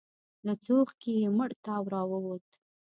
له څوښکي يې مړ تاو راووت.